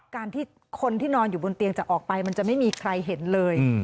การที่คนที่นอนอยู่บนเตียงจะออกไปมันจะไม่มีใครเห็นเลย